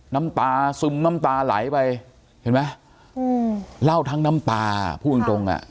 น้ำตาซึมน้ำตาไหลไปเห็นไหมอืมเล่าทั้งน้ำตาพูดตรงตรงอ่ะ